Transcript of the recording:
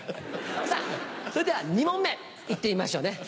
さぁそれでは２問目行ってみましょうね。